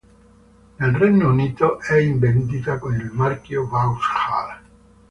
Nel Regno Unito è in vendita con il marchio Vauxhall.